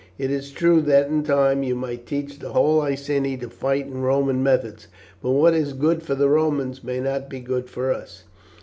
"It is true that in time you might teach the whole Iceni to fight in Roman methods, but what is good for the Romans may not be good for us.